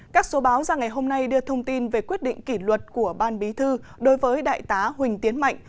các số báo ra ngày hôm nay đưa thông tin về quyết định kỷ luật của ban bí thư đối với đại tá huỳnh tiến mạnh